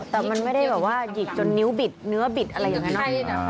แต่มันไม่ได้แบบว่าหยิกจนนิ้วบิดเนื้อบิดอะไรอย่างนั้นเนาะ